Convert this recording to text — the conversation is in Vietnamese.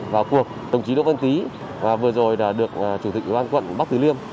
và cuộc đồng chí đỗ vân tý vừa rồi được chủ tịch nguyên an quận bắc thứ liêm